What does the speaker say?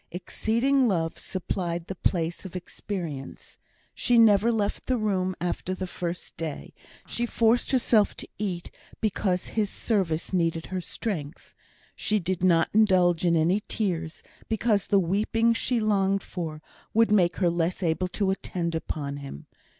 Exceeding love supplied the place of experience. She never left the room after the first day; she forced herself to eat, because his service needed her strength. She did not indulge in any tears, because the weeping she longed for would make her less able to attend upon him.